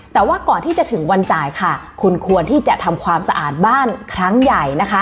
แต่ว่าก่อนที่จะถึงวันจ่ายค่ะคุณควรที่จะทำความสะอาดบ้านครั้งใหญ่นะคะ